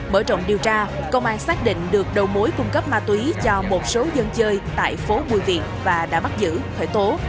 bởi trọng điều tra công an xác định được đầu mối cung cấp ma túy cho một số dân chơi tại phố bùi viện và đã bắt giữ khởi tố